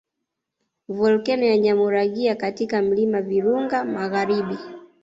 Volkeno ya Nyamuragira katika milima Virunga magharibi